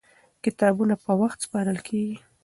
کتابونه په وخت سپارل کېږي.